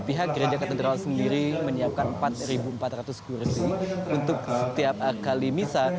pihak gereja katedral sendiri menyiapkan empat empat ratus kursi untuk setiap kali misa